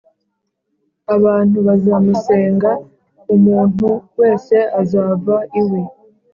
abantu bazamusenga umuntu wese azava iwe